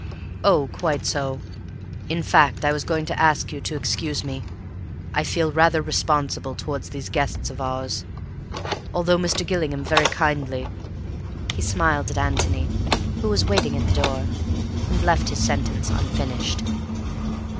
"Oh, quite so. In fact, I was going to ask you to excuse me. I feel rather responsible towards these guests of ours. Although Mr. Gillingham very kindly—" He smiled at Antony, who was waiting at the door, and left his sentence unfinished.